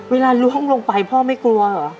ล่วงลงไปพ่อไม่กลัวเหรอ